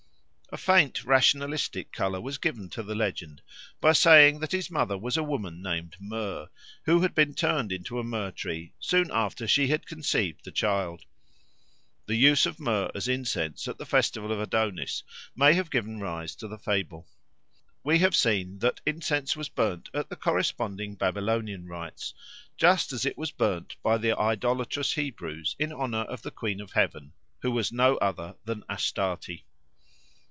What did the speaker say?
A faint rationalistic colour was given to the legend by saying that his mother was a woman named Myrrh, who had been turned into a myrrh tree soon after she had conceived the child. The use of myrrh as incense at the festival of Adonis may have given rise to the fable. We have seen that incense was burnt at the corresponding Babylonian rites, just as it was burnt by the idolatrous Hebrews in honour of the Queen of Heaven, who was no other than Astarte.